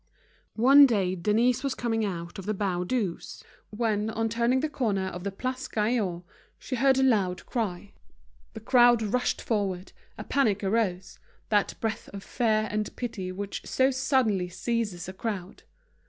One day Denise was coming out of the Baudus', when, on turning the corner of the Place Gaillon, she heard a loud cry. The crowd rushed forward, a panic arose, that breath of fear and pity which so suddenly seizes a crowd.